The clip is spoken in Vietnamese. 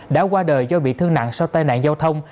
đã qua đời do bị thương nặng sau tai nạn giao thông